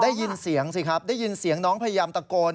ได้ยินเสียงสิครับได้ยินเสียงน้องพยายามตะโกน